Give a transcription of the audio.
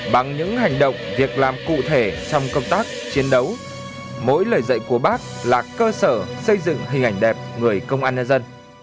bằng những hành động việc làm cụ thể trong công tác chiến đấu mỗi lời dạy của bác là cơ sở xây dựng hình ảnh đẹp người công an nhân dân